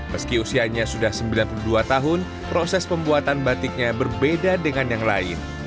meski usianya sudah sembilan puluh dua tahun proses pembuatan batiknya berbeda dengan yang lain